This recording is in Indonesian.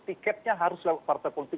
tidak oleh orang di luar partai politik